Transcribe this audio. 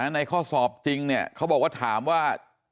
ในข้อสอบจริงเขาบอกว่าถามว่า